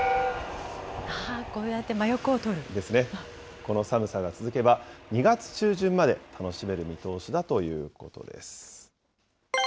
この寒さが続けば、２月中旬まで楽しめる見通しだということです。